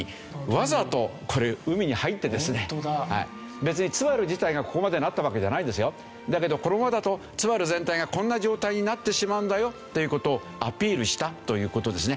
別にツバル自体がここまでなったわけじゃないんですよ。だけどこのままだとツバル全体がこんな状態になってしまうんだよっていう事をアピールしたという事ですね。